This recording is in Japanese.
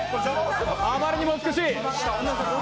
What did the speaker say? あまりにも美しい！